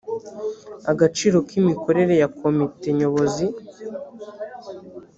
agaciro k’ imikorere ya komite nyobozi